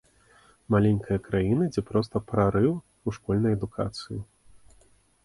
Маленькая краіна, дзе проста прарыў у школьнай адукацыі.